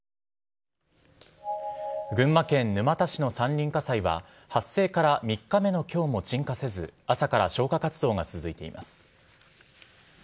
群馬県沼田市の山林火災は、発生から３日目のきょうも鎮火せず、朝から消火活動が続いています。